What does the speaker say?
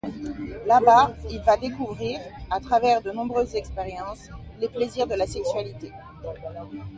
Là-bas, il va découvrir, à travers de nombreuses expériences, les plaisirs de la sexualité.